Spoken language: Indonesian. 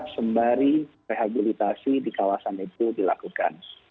sembari rehabilitasi di kawasan itu dilakukan